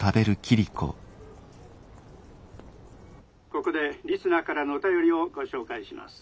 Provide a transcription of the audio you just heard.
「ここでリスナーからのお便りをご紹介します。